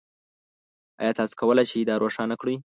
ایا تاسو کولی شئ دا روښانه کړئ؟